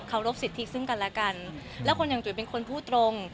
รบสิทธิซึ่งกันและกันและคนอย่างจุ๋ยเป็นคนพูดตรง